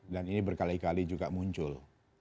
dan ini berkali kali juga muncul